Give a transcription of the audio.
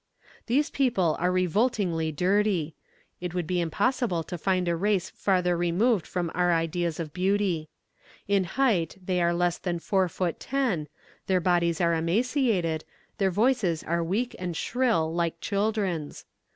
"These people are revoltingly dirty. It would be impossible to find a race farther removed from our ideas of beauty. In height they are less than four foot ten, their bodies are emaciated, their voices are weak and shrill like children's.